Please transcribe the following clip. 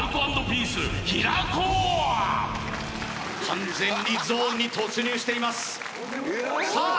完全にゾーンに突入していますさあ